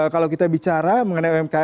kalau kita bicara mengenai umkm